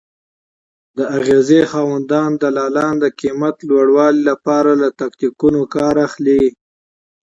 د اغېزې خاوند دلالان د قیمت لوړوالي لپاره له تاکتیکونو کار اخلي.